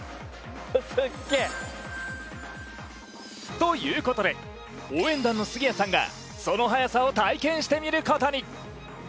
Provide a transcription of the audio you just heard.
ということで、応援団の杉谷さんがその速さを体験してみることに。